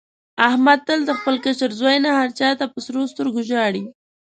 احمد تل له خپل کشري زوی نه هر چا ته په سرو سترګو ژاړي.